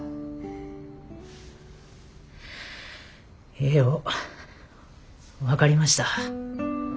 ええよ分かりました。